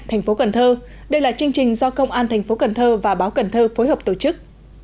thành phố cần thơ đây là chương trình do công an thành phố cần thơ và báo cần thơ phối hợp tổ chức